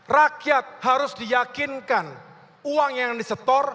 rakyat harus diyakinkan uang yang disetor